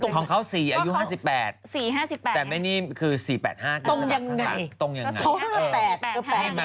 ของเขา๔อายุ๕๘แต่ไม่นี่คือ๔๘๕ตรงยังไงให้มา๘๕